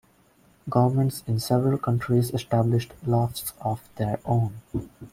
Governments in several countries established lofts of their own.